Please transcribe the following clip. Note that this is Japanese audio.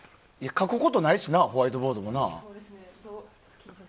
書くことないしなホワイトボードも。